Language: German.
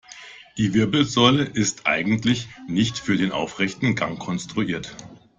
Die Wirbelsäule ist eigentlich nicht für den aufrechten Gang konstruiert.